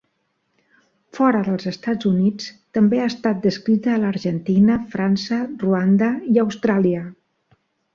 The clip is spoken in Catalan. Fora dels Estats Units també ha estat descrita a l'Argentina, França, Ruanda i Austràlia.